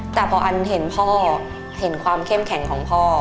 แต่พออันเห็นพ่อเห็นความเข้มแข็งของพ่อ